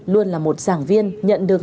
luôn là một giảng viên nhận được